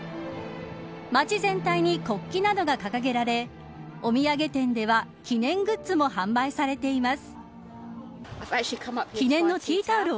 街全体に国旗などが掲げられお土産店では記念グッズも販売されています。